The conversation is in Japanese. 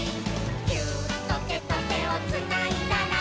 「ギューッとてとてをつないだら」